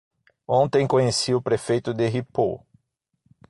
Ontem conheci o prefeito de Ripoll.